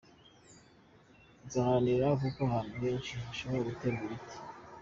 Nzaharanira ko ahantu henshi hashoboka haterwa ibiti.